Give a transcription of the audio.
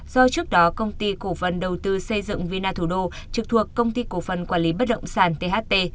do trước đó công ty cộng phần đầu tư xây dựng vina thủ đô trực thuộc công ty cộng phần quản lý bất động sản tht